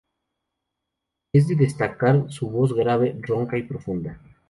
Es de destacar su voz grave, ronca y profunda.